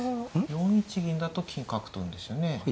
４一銀だと金で角取るんですよね。